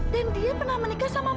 dan dia pernah menikah sama mama kamu